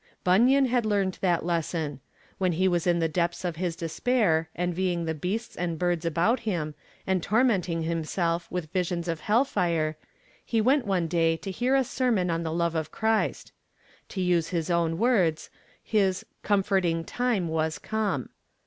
Bunyan had learned that lesson. When he was in the depths of his despair, envying the beasts and birds about him, and tormenting himself with visions of hell fire, he went one day to hear a sermon on the love of Christ. To use his own words, his 'comforting time was come.'